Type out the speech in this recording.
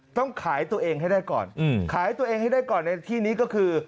ต้องขายตัวเองให้ได้ก่อนขายตัวเองให้ได้ก่อนในที่นี้ก็คือ